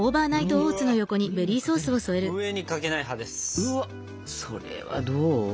うわっそれはどう？